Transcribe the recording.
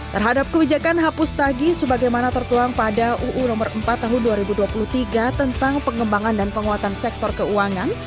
terhadap kebijakan hapus tagih sebagaimana tertuang pada uu nomor empat tahun dua ribu dua puluh tiga tentang pengembangan dan penguatan sektor keuangan